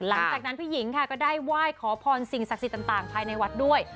หลังจากนั้นพี่หญิงค่ะก็ได้ไหว้ขอพรสิ่งศักดิ์สิทธิ์ต่างภายในวัดด้วย